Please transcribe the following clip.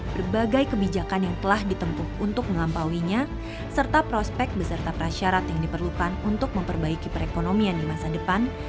berbagai kebijakan yang telah ditempuh untuk melampauinya serta prospek beserta prasyarat yang diperlukan untuk memperbaiki perekonomian di masa depan